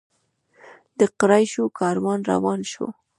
د قریشو کاروان روان شو.